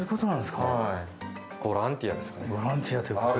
ボランティアですかね。